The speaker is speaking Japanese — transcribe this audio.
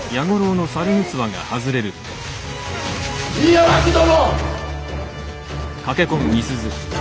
八巻殿！